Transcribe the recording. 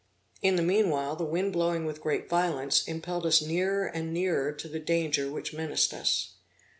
In the meanwhile, the wind blowing with great violence, impelled us nearer and nearer to the danger which menaced us.